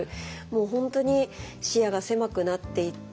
もう本当に視野が狭くなっていった。